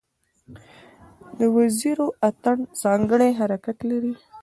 د وزیرو اتن ځانګړی حرکت لري.